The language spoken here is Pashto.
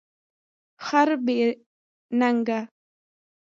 خر بی نګه